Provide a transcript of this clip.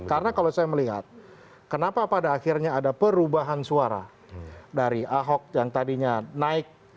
karena kalau saya melihat kenapa pada akhirnya ada perubahan suara dari ahok yang tadinya naik